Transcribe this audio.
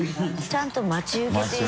ちゃんと待ち受けている。